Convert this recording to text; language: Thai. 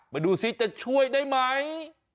มาดูซิจะช่วยได้ไหม